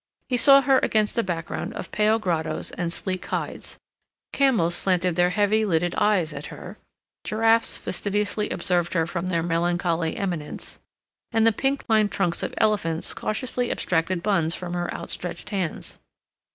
He saw her against a background of pale grottos and sleek hides; camels slanted their heavy lidded eyes at her, giraffes fastidiously observed her from their melancholy eminence, and the pink lined trunks of elephants cautiously abstracted buns from her outstretched hands.